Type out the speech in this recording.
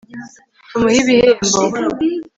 tumuhe ibihembo